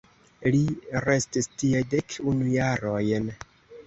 Li restis tie dek unu jarojn.